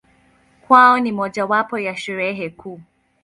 Kwao ni mojawapo ya Sherehe kuu.